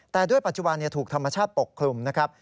แต่ด้วยปัจจุบันถูกธรรมชาติปกคลุมนะครับ